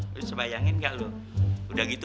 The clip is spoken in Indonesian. lo sebayangin gak lo udah gitu